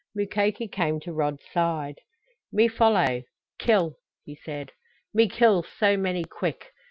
Mukoki came to Rod's side. "Me follow kill!" he said. "Me kill so many quick!"